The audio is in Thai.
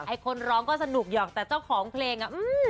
คนร้องก็สนุกหยอกแต่เจ้าของเพลงอ่ะ